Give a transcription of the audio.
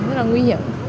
nó rất là nguy hiểm